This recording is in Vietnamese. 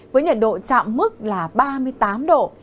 với nhiệt độ chạm mức là ba mươi tám độ